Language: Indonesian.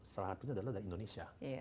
selanjutnya adalah dari indonesia